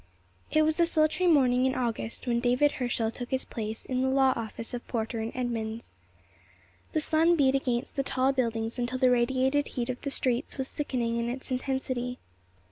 IT was a sultry morning in August when David Herschel took his place in the law office of Porter & Edmunds. The sun beat against the tall buildings until the radiated heat of the streets was sickening in its intensity.